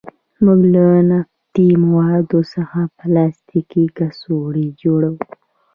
موږ له نفتي موادو څخه پلاستیکي کڅوړې جوړوو.